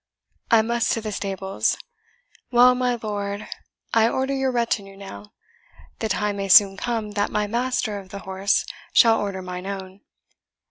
I must to the stables. Well, my lord, I order your retinue now; the time may soon come that my master of the horse shall order mine own.